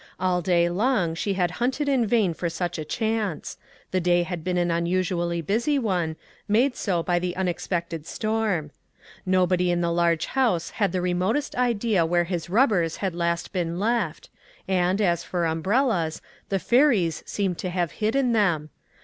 All day long she had hunted in vain for such a chance ; the day had been an unusually busy one, made so by the unexpected storm. Nobody in the large house had the re motest idea where his rubbers had last been left ; and, as for umbrellas, the fairies seemed to have hidden them.